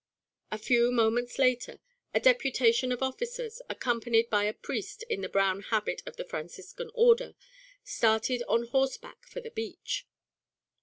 A few moments later a deputation of officers, accompanied by a priest in the brown habit of the Franciscan order, started on horseback for the beach.